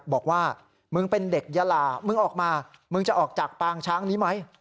บอกว่ามึงเป็นเด็กยาลามึงออกมามึงจะออกจากปางช้างนี้ไหม